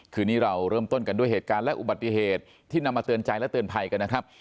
คืนนี้เราเริ่มต้นกันด้วยเหตุการณ์และอุบัติเหตุที่นำมาเตือนใจและเตือนภัยกันนะครับ